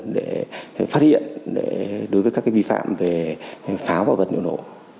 để phát hiện đối với các vi phạm về pháo và vật liệu nổ